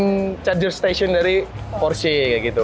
di samping charging station dari porsche kayak gitu